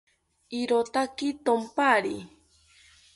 Irotaki thonpari